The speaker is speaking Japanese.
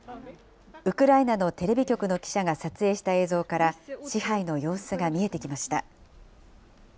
ウクライナのテレビ局の記者が撮影した映像から、支配の様子が見えてきました。